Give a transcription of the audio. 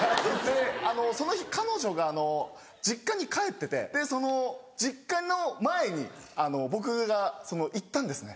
その日彼女が実家に帰っててその実家の前に僕が行ったんですね。